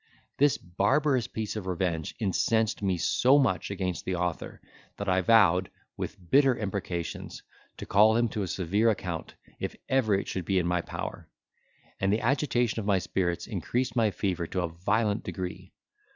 This barbarous piece of revenge incensed me so much against the author, that I vowed, with bitter imprecations, to call him to a severe account, if ever it should be in my power; and the agitation of my spirits increased my fever to a violent degree.